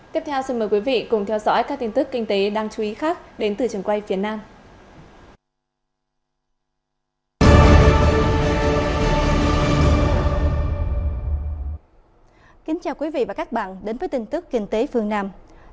tiếp theo xin mời quý vị cùng theo dõi các tin tức kinh tế đáng chú ý khác đến từ trường quay phía nam